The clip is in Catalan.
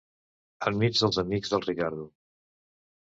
Enmig dels amics del Riccardo.